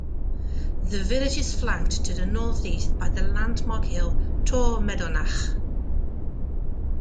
The village is flanked to the northeast by the landmark hill Torr Meadhonach.